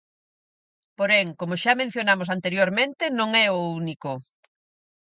Porén, como xa mencionamos anteriormente, non é o único.